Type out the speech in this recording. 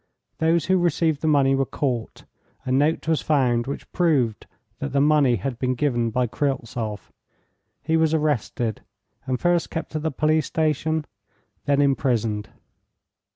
Those who received the money were caught, a note was found which proved that the money had been given by Kryltzoff, he was arrested, and first kept at the police station, then imprisoned.